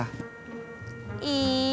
terus kemana kita